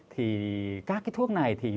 thì các cái thuốc này thì